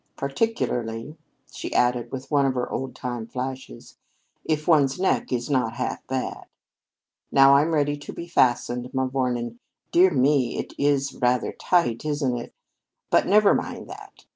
Particularly," she added, with one of her old time flashes, "if one's neck is not half bad. Now I'm ready to be fastened, mavourneen. Dear me, it is rather tight, isn't it? But never mind that.